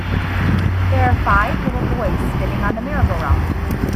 There are five little boys spinning on a merrygoround.